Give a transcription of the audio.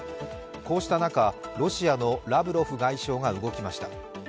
こうした中、ロシアのラブロフ外相が動きました。